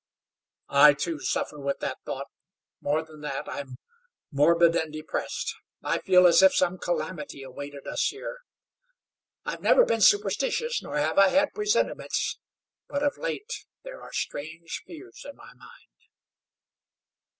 "I, too, suffer with that thought; more than that, I am morbid and depressed. I feel as if some calamity awaited us here. I have never been superstitious, nor have I had presentiments, but of late there are strange fears in my mind."